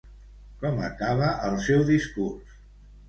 Com acaba el seu discurs?